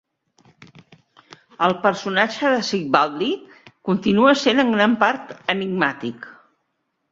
El personatge de Sigvaldi continua sent en gran part enigmàtic.